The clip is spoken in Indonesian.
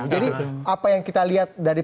jadi apa yang kita lihat dari